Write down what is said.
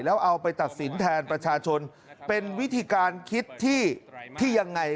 แล้วเอาไปตัดสินแทนประชาชนเป็นวิธีการคิดที่ที่ยังไง